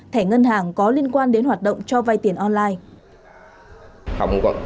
thẻ ngân hàng có liên quan đến hoạt động cho vay tiền online